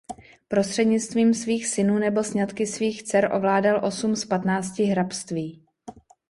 Prostřednictvím svých synů nebo sňatky svých dcer ovládal osm z patnácti hrabství.